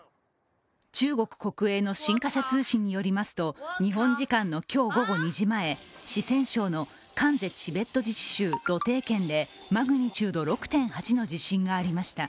中国国営の新華社通信によりますと日本時間の今日午後２時前四川省のカンゼ・チベット自治州・瀘定県でマグニチュード６．８の地震がありました。